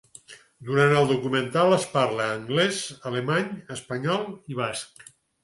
Durant el documental es parla anglès, alemany, espanyol i basc.